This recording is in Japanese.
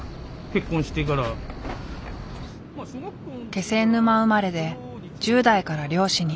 気仙沼生まれで１０代から漁師に。